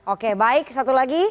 oke baik satu lagi